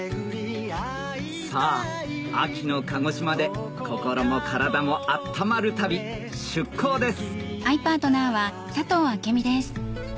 さぁ秋の鹿児島で心も体も温まる旅出港です！